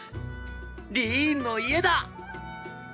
リーンの家だ！